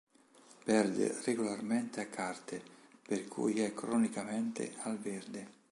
Perde regolarmente a carte per cui è cronicamente "al verde".